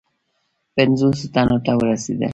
پنجوسو تنو ته ورسېدل.